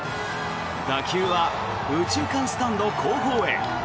打球は右中間スタンド後方へ。